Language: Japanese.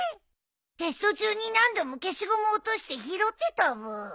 テスト中に何度も消しゴム落として拾ってたブー。